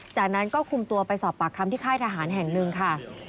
จากนั้นก็คุมตัวไปสอบปากคำที่ค่ายทหารแห่งหนึ่งค่ะ